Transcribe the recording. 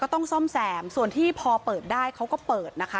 ต้องซ่อมแซมส่วนที่พอเปิดได้เขาก็เปิดนะคะ